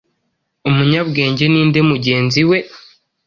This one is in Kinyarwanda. Umunyabwenge ninde mugenzi we